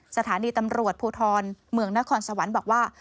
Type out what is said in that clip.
สถานีตำรวจภูทรเมืองนครสวรรค์บอกว่า